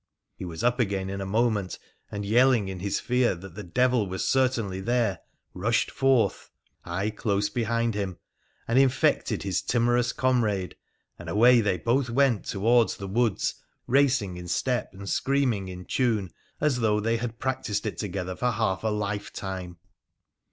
He was up again in a moment, and, yelling in his fear that the devil was cer tainly there, rushed forth — I close behind him — and infected his timorous comrade, and away they both went towards the woods, racing in step and screaming in tune, as though they had practised it together for half a lifetime.